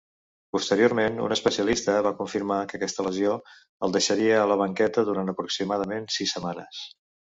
Posteriorment un especialista va confirmar que aquesta lesió el deixaria a la banqueta durant aproximadament sis setmanes.